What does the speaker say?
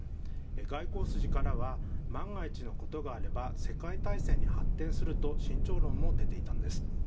外交筋からは万が一のことがあれば世界大戦に発展すると慎重論も出ていたんです。